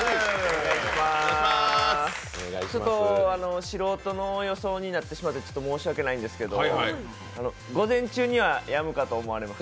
ちょっと素人の予想になってしまい申し訳ないんですけど、午前中にはやむかと思われます。